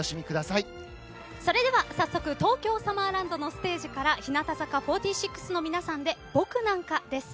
それでは早速東京サマーランドのステージから日向坂４６の皆さんで「僕なんか」です。